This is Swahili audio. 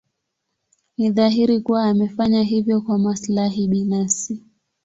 Ni dhahiri kuwa amefanya hivyo kwa maslahi binafsi.